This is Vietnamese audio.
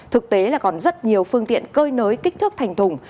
thực tế là còn rất nhiều phương tiện cơi nới kích thước thành thùng